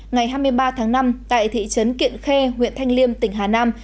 ngày hai mươi ba tháng năm tại thị trấn kiện khê huyện thanh liêm tỉnh hà nam